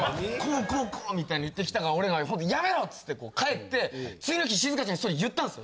こうこうみたいに言ってきたからやめろっつって帰って次の日しずかちゃんにそれ言ったんです。